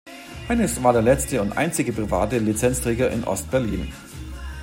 Heinrichs war der letzte und einzige private Lizenzträger in Ostberlin.